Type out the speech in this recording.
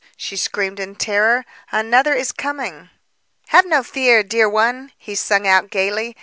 she screamed in terror, "Another is coming!" "Have no fear, dear one!" he sung out gaily.